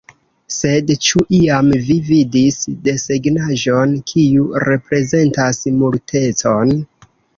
Sed, ĉu iam vi vidis desegnaĵon kiu reprezentas Multecon?